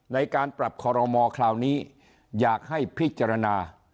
ในการปรับคอรมอคราวนี้อยากให้พิจารณา